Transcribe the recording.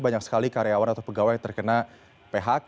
banyak sekali karyawan atau pegawai yang terkena phk